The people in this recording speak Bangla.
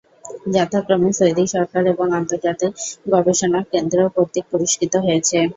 যথাক্রমে সৌদি সরকার এবং আন্তর্জাতিক গবেষণা কেন্দ্র কর্তৃক পুরষ্কৃত হয়েছে।